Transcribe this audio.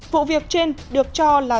vụ việc trên được cho là